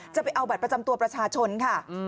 จะเอาบัตรประจำตัวประชาชนค่ะ